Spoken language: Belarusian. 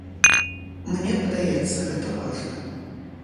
Мне падаецца, гэта важна.